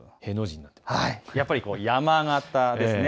やっぱり山型ですね。